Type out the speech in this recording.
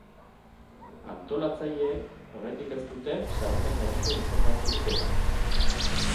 Antolatzaileek oraindik ez dute sarreren gaineko informaziorik eman.